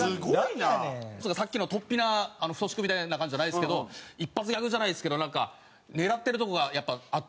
さっきのとっぴな太君みたいな感じじゃないですけど一発ギャグじゃないですけどなんか狙ってるとこがあって。